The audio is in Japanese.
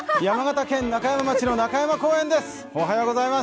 山形県中山町の中山公園です。